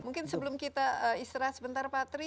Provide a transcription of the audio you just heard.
mungkin sebelum kita istirahat sebentar pak tri